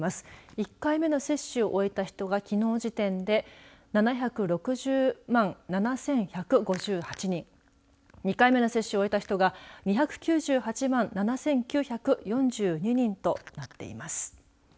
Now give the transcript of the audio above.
１回目の接種を終えた人がきのうの時点で７６０万７１５８人２回目の接種を終えた人が２９８万７９４２人となっています。